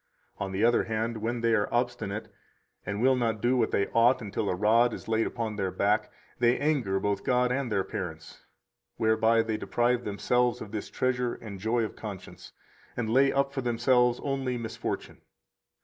122 On the other hand, when they are obstinate, and will not do what they ought until a rod is laid upon their back, they anger both God and their parents, whereby they deprive themselves of this treasure and joy of conscience, and lay up for themselves only misfortune.